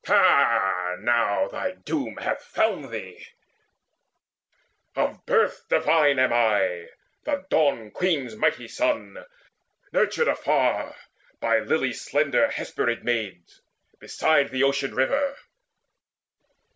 Ha, now Thy doom hath found thee! Of birth divine am I, The Dawn queen's mighty son, nurtured afar By lily slender Hesperid Maids, beside The Ocean river.